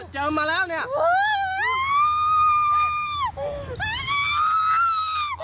เจอมาแล้ว